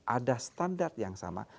ada standar yang sama